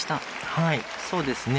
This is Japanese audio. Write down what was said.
はいそうですね。